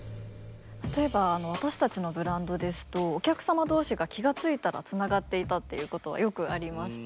例えば私たちのブランドですとお客様同士が気が付いたらつながっていたっていうことはよくありまして。